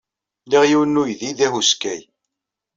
Liɣ yiwen n uydi d ahuskay.